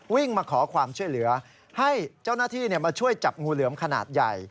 วิ่งมาขอความช่วยเหลือให้เจ้าหน้าที่มาช่วยจับงูเหลือมขนาดใหญ่